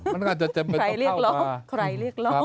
มันก็จะจำเป็นต้องเข้ามาใครเรียกร้อง